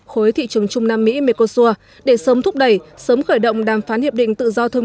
khối thị trường trung nam mỹ mekosur để sớm thúc đẩy sớm khởi động đàm phán hiệp định tự do thương